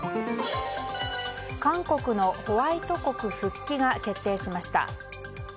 韓国のホワイト国復帰が決定しました。